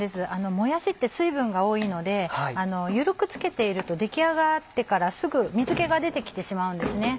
もやしって水分が多いので緩くつけていると出来上がってからすぐ水気が出てきてしまうんですね。